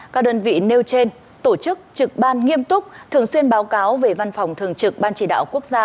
các đơn vị nêu trên tổ chức trực ban nghiêm túc thường xuyên báo cáo về văn phòng thường trực ban chỉ đạo quốc gia